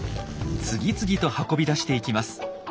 次々と運び出していきます。